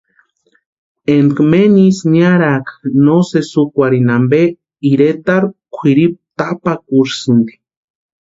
Énka menisï niarakʼa no sési úkwarhini ampe iretarhu kwʼiripu tapakurhisïnti.